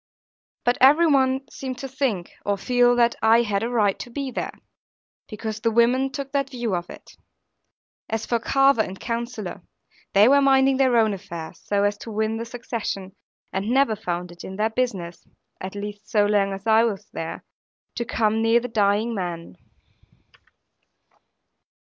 But every one seemed to think, or feel, that I had a right to be there; because the women took that view of it. As for Carver and Counsellor, they were minding their own affairs, so as to win the succession; and never found it in their business (at least so long as I was there) to come near the dying man.